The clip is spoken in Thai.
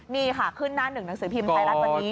นี่ค่ะขึ้นหน้าหนึ่งหนังสือพิมพ์ไทยรัฐวันนี้